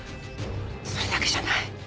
それだけじゃない。